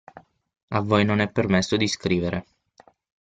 A voi non è permesso di scrivere.